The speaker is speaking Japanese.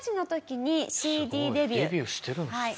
デビューしてるんですね。